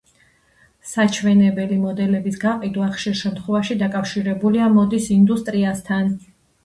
საჩვენებელი მოდელების გაყიდვა ხშირ შემთხვევაში დაკავშირებულია მოდის ინდუსტრიასთან.